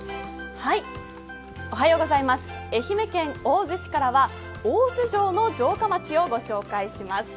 愛媛県大洲市からは大洲城の城下町をご紹介します。